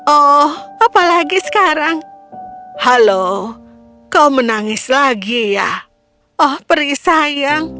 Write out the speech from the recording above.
oh apa lagi sekarang halo kau menangis lagi ya perih sayang